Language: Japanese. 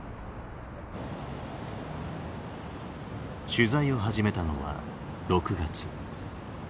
取材を始めたのは６月。